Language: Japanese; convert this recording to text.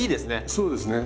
そうですね。